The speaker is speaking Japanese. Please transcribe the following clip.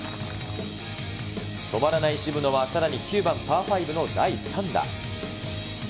止まらない渋野はさらに９番パー５の第３打。